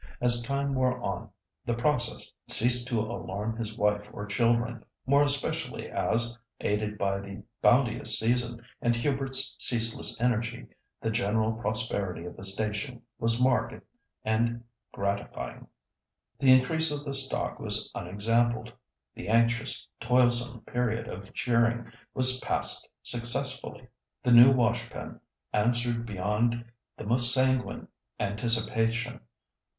As time wore on, the process ceased to alarm his wife or children, more especially as, aided by the bounteous season and Hubert's ceaseless energy, the general prosperity of the station was marked and gratifying. The increase of the stock was unexampled. The anxious, toilsome period of shearing was passed successfully. The new washpen answered beyond the most sanguine anticipation.